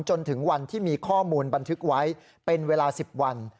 จนถึงวันที่มีข้อมูลบันทึกไว้เป็นเวลา๑๐วัน